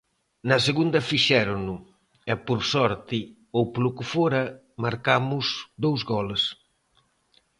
Na segunda fixérono e, por sorte ou polo que fora, marcamos dous goles.